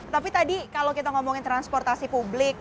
tapi tadi kalau kita ngomongin transportasi publik